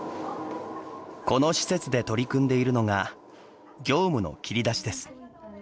この施設で取り組んでいるのが業務の切り出しです。